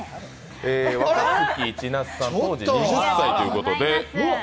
若槻千夏さん、当時２０歳ということで。